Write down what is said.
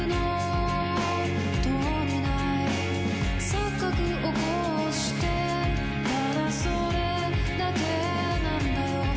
「錯覚起こしてるただそれだけなんだよ」